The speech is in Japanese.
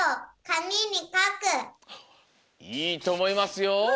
いいとおもいますよ！